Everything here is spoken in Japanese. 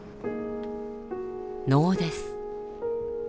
能です。